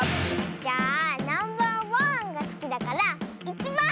じゃあナンバーワンがすきだから１ばん！